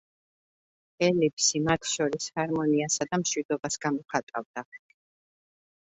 ელიფსი მათ შორის ჰარმონიასა და მშვიდობას გამოხატავდა.